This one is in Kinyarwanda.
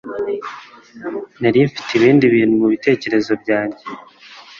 Nari mfite ibindi bintu mubitekerezo byanjye